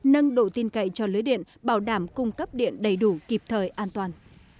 nâng độ tin cậy cho lưới điện bảo đảm cung cấp điện đầy đủ kịp thời an toàn